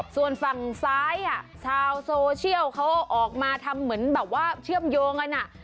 ส่วนฝั่งซ้ายชาวโซเชียลเขาออกมาทำเหมือนแบบว่าเชื่อมโยงกัน